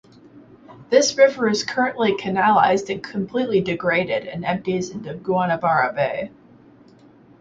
This river is currently canalized and completely degraded, and empties into Guanabara Bay.